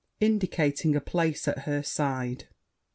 [Indicating a place at her side.